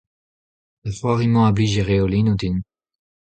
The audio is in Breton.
Ar c'hoari-mañ a blij e reolennoù din.